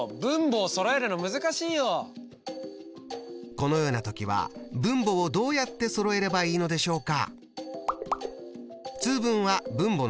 このような時は分母をどうやってそろえればいいのでしょうか？